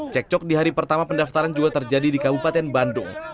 cekcok di hari pertama pendaftaran juga terjadi di kabupaten bandung